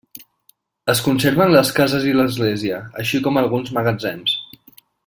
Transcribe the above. Es conserven les cases i l'església, així com alguns magatzems.